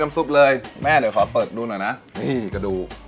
นี่กระดูก